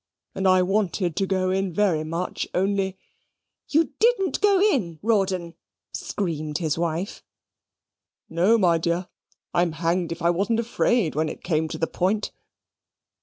And I wanted to go in very much, only " "YOU DIDN'T GO IN, Rawdon!" screamed his wife. "No, my dear; I'm hanged if I wasn't afraid when it came to the point."